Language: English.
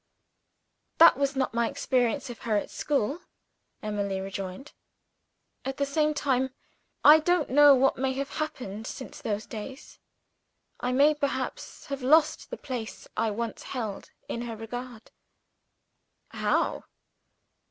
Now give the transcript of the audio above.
"That was not my experience of her at school," Emily rejoined. "At the same time I don't know what may have happened since those days. I may perhaps have lost the place I once held in her regard." "How?"